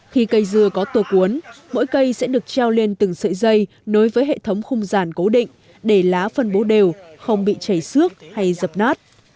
khi cây dưa có tour cuốn mỗi cây sẽ được treo lên từng sợi dây nối với hệ thống khung giàn cố định để lá phân bố đều không bị chảy xước hay dập nát